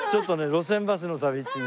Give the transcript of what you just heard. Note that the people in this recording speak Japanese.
『路線バスの旅』っていう。